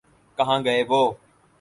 کہاں گئے وہ؟